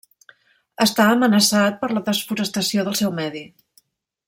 Està amenaçat per la desforestació del seu medi.